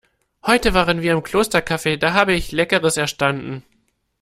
Heute waren wir im Klostercafe, da habe ich Leckeres erstanden.